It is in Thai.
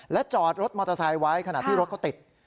และจอดรถมอเตอร์ไซค์ไว้ขณะที่รถเขาติด